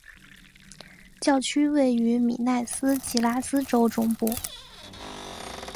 教区位于米纳斯吉拉斯州中部。